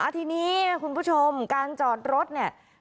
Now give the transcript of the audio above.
ทีนี้คุณผู้ชมการจอดรถเนี่ย